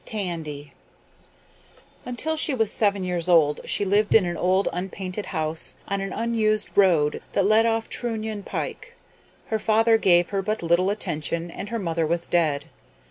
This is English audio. TANDY Until she was seven years old she lived in an old unpainted house on an unused road that led off Trunion Pike. Her father gave her but little attention and her mother was dead.